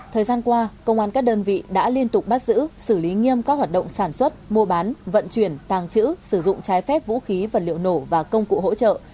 thời gian qua công an các đơn vị đã liên tục bắt giữ xử lý nghiêm các hoạt động sản xuất mua bán vận chuyển tàng trữ sử dụng trái phép vũ khí vật liệu nổ và công cụ hỗ trợ